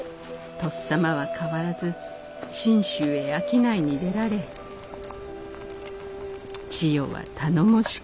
「とっさまは変わらず信州へ商いに出られ千代は頼もしく」。